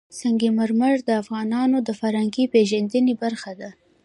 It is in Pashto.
سنگ مرمر د افغانانو د فرهنګي پیژندنې برخه ده.